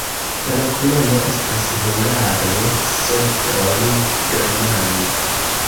La loknomo estas hungare: Sopron-germana.